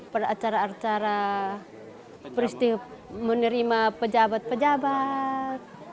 pada acara acara menerima pejabat pejabat